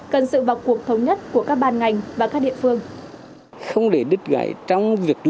cần sự vào cuộc thống nhất của các ban ngành và các địa phương